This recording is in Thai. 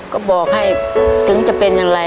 ก็บอกให้ถึงจะเป็นอย่างไร